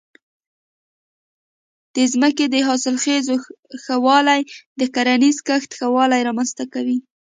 د ځمکې د حاصلخېزۍ ښه والی د کرنیزې کښت ښه والی رامنځته کوي.